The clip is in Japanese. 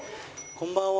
こんばんは。